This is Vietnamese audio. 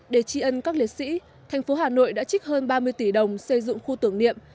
để tri ân các liệt sĩ thành phố hà nội đã trích hơn ba mươi tỷ đồng xây dựng khu tưởng niệm